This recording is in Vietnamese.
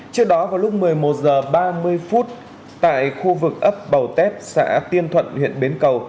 trước đó vào lúc một mươi một h ba mươi phút tại khu vực ấp bầu tét xã tiên thuận huyện bến cầu